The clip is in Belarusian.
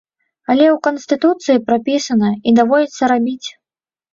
Але ў канстытуцыі прапісана і даводзіцца рабіць.